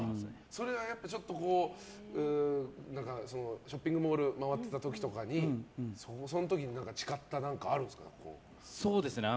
それはショッピングモールを回っていた時とかに誓った何かがあるんですか？